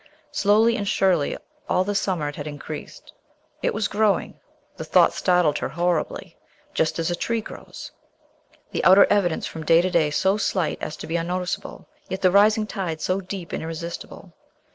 Slowly and surely all the summer it had increased. It was growing the thought startled her horribly just as a tree grows, the outer evidence from day to day so slight as to be unnoticeable, yet the rising tide so deep and irresistible.